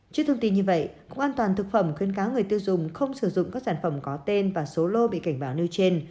trước thông tin như vậy cục an toàn thực phẩm khuyên cáo người tiêu dùng không sử dụng các sản phẩm có tên và số lô bị cảnh báo nêu trên